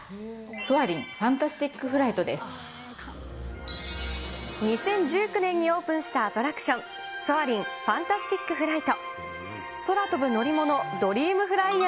ソアリン：ファンタスティッ２０１９年にオープンしたアトラクション、ソアリン：ファンタスティック・フライト。